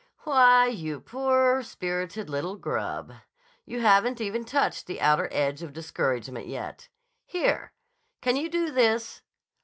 "Why, you poor spirited little grub, you haven't even touched the outer edge of discouragement yet. Here! Can you do this?"